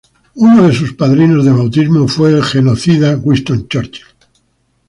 Uno de sus padrinos de bautismo fue sir Winston Churchill.